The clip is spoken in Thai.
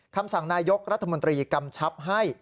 คำสั่งนายกรัฐมนตรีกำชับให้